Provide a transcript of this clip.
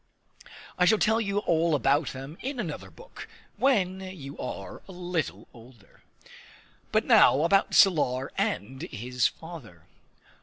I shall tell you all about that in another book, when you are a little older. But now about Salar and his father.